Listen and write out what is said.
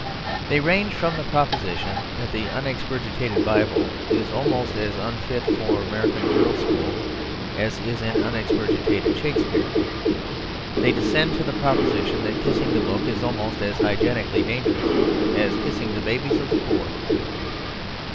They range from the proposition that the unexpurgated Bible is almost as unfit for an American girls' school as is an unexpurgated Shakespeare; they descend to the proposition that kissing the Book is almost as hygienically dangerous as kissing the babies of the poor.